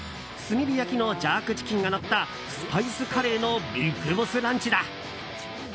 炭火焼きのジャークチキンがのったスパイスカレーのビッグボスランチだ。